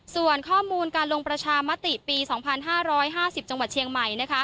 ส่วนข้อมูลการลงประชามติปี๒๕๕๐จังหวัดเชียงใหม่